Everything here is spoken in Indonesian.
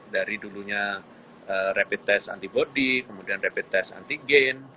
dari dulunya rapid test antibody kemudian rapid test antigen